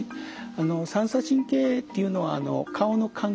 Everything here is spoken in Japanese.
あの三叉神経っていうのは顔の感覚。